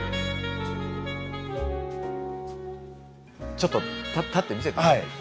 ちょっと立って見せてください。